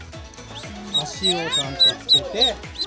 足をちゃんとつけて。